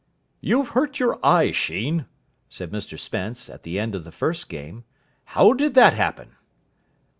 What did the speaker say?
"You've hurt your eye, Sheen," said Mr Spence, at the end of the first game. "How did that happen?"